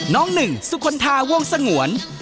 น้องหนึ่งสุคลธาวงสงวน